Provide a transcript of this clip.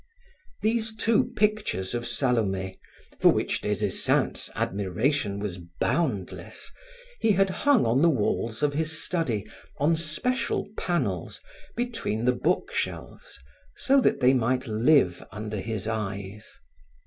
These two pictures of Salome, for which Des Esseintes' admiration was boundless, he had hung on the walls of his study on special panels between the bookshelves, so that they might live under his eyes.